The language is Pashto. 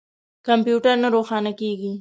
کمپیوټر نه روښانه کیږي